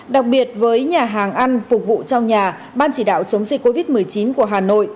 đặc biệt với nhà hàng ăn phục vụ trong nhà ban chỉ đạo chống dịch covid một mươi chín của hà nội